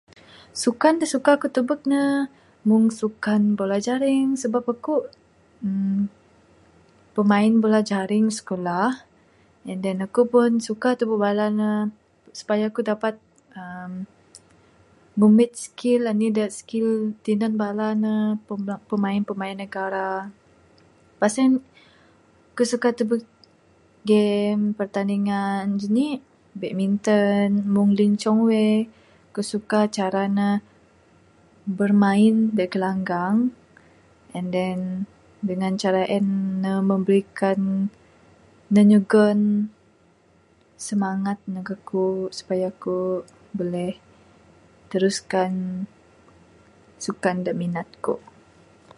Sukan da suka ku tubek ne mung sukan bola jaring sebab aku uhh pemain bola jaring skulah and then aku pun suka tubek bala ne supaya aku dapat uhh ngumit skill anih da skill tinan bala ne pemain pemain negara pas en ku suka tubek game pertandingan badminton mung Lee Chong Wei ku suka cara ne bermain da gelanggang and then dangan cara en ne memberikan ne nyugon semangat neg aku supaya ku buleh teruskan sukan da minat ku.